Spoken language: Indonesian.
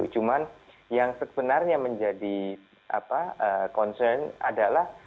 cuma yang sebenarnya menjadi concern adalah